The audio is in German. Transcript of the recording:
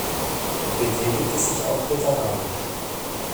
Er betätigte sich auch literarisch.